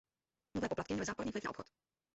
Nové poplatky měly záporný vliv na obchod.